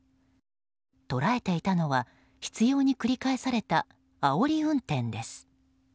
捉えていたのは執拗に繰り返されたあおり運転です。